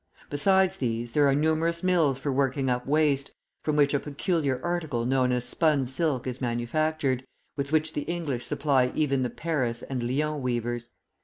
Besides these, there are numerous mills for working up waste, from which a peculiar article known as spun silk is manufactured, with which the English supply even the Paris and Lyons weavers.